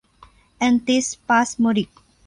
แอนติสปาสโมดิก